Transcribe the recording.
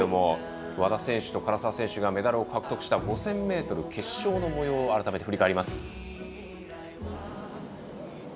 和田選手と唐澤選手がメダルを獲得した５０００ｍ決勝のもようを改めて振り返ります。